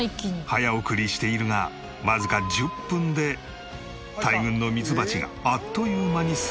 早送りしているがわずか１０分で大群のミツバチがあっという間に巣箱の中に。